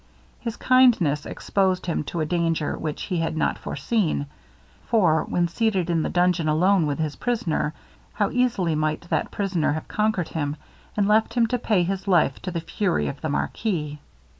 His kindness exposed him to a danger which he had not foreseen; for when seated in the dungeon alone with his prisoner, how easily might that prisoner have conquered him and left him to pay his life to the fury of the marquis.